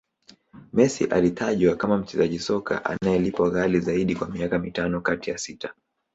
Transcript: Messi alitajwa kama mchezaji soka anayelipwa ghali Zaidi kwa miaka mitano kati ya sita